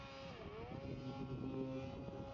আমি বুঝিনা এখানে অন্য লোকের কেন প্রয়োজন।